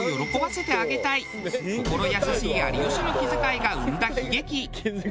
心優しい有吉の気遣いが生んだ悲劇。